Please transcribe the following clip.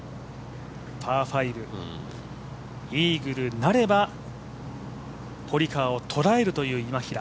パー５、イーグルなれば堀川を捉えるという今平。